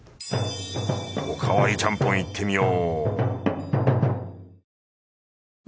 おかわりちゃんぽんいってみよう